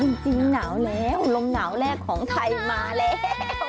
จริงหนาวแล้วลมหนาวแรกของไทยมาแล้ว